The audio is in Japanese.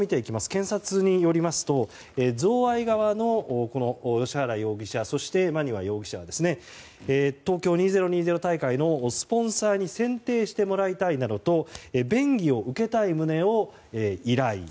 検察によりますと贈賄側の芳原容疑者そして馬庭容疑者は東京２０２０大会のスポンサーに選定してもらいたいなどの便宜を受けたい旨を依頼。